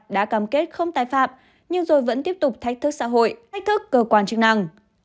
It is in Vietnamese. đã cam kết không tái phạm nhưng rồi vẫn tiếp tục thách thức xã hội thách thức cơ quan chức năng